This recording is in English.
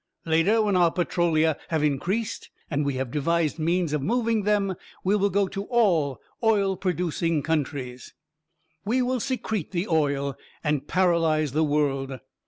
Later, when our Petrolia have increased and we have devised means of moving them, we will go to all oil producing countries. "We will secrete the oil and paralyze the world.